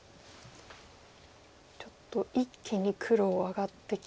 ちょっと一気に黒上がってきてますよ。